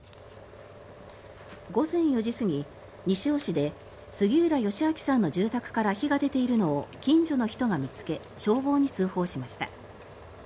午前４時過ぎ、西尾市で杉浦義明さんの住宅から火が出ているのを近所の人が見つけ消防に通報しました。